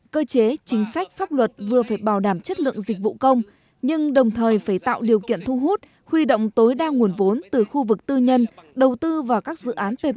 cơ chế chính sách pháp luật vừa phải bảo đảm chất lượng dịch vụ công nhưng đồng thời phải tạo điều kiện thu hút huy động tối đa nguồn vốn từ khu vực tư nhân đầu tư vào các dự án ppp